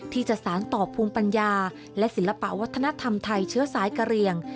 ที่จะสารต่อภูมิปัญญาและศิลปะวัฒนธรรมไทยเชื้อสายกะเรียง